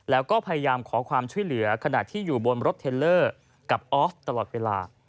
แล้วก็พยายามขอความช่วยเหลือขณะที่อยู่บนรถเทลเลอร์กับออฟตลอดเวลา